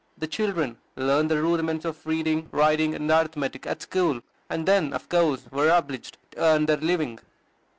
The children learned the rudiments of reading, writing, and arithmetic at school, and then, of course, were obliged to earn their living.